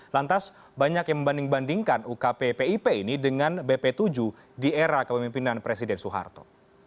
lantas banyak yang membanding bandingkan ukp pip ini dengan bp tujuh di era kepemimpinan presiden soeharto